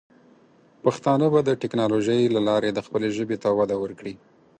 پښتانه به د ټیکنالوجۍ له لارې د خپلې ژبې ته وده ورکړي.